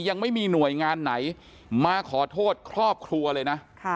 ยังไม่มีหน่วยงานไหนมาขอโทษครอบครัวเลยนะ